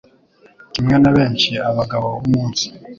Kimwe na benshi abagabo b'umunsi